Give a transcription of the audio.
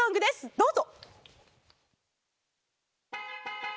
どうぞ！